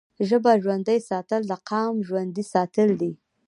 ژبه ژوندی ساتل د قام ژوندی ساتل دي.